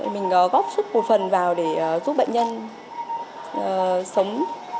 mình có góp sức một phần vào để giúp bệnh nhân sống